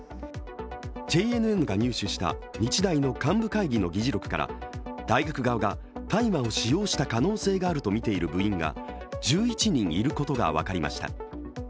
ＪＮＮが入手した日大の幹部会議の議事録から、大学側が大麻を使用した可能性があるとみている部員が１１人いることが分かりました。